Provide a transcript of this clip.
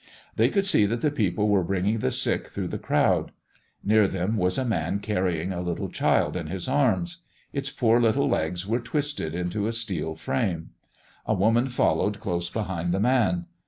They could see that the people were bringing the sick through the crowd. Near them was a man carrying a little child in his arms. Its poor little legs were twisted into a steel frame. A woman followed close behind the man.